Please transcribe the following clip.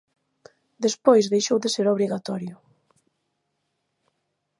Despois deixou de ser obrigatorio.